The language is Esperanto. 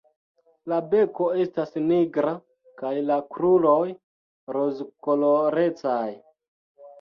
La beko estas nigra kaj la kruroj rozkolorecaj.